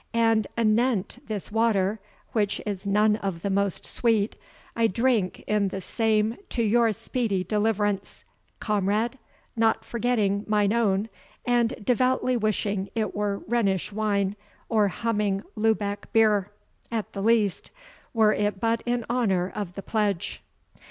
And anent this water, which is none of the most sweet, I drink in the same to your speedy deliverance, comrade, not forgetting mine own, and devoutly wishing it were Rhenish wine, or humming Lubeck beer, at the least, were it but in honour of the pledge."